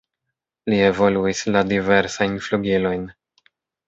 Li evoluis la diversajn flugilojn.